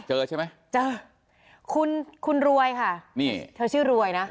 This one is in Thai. เจอใช่ไหมเจอคุณคุณรวยค่ะนี่เธอชื่อรวยนะ